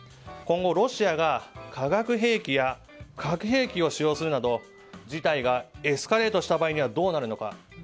今後、ロシアが化学兵器や核兵器を使用するなど事態がエスカレートした場合にはどうなるのか。